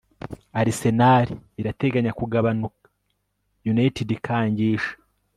Arsenal irateganya kugabanuka United ikangisha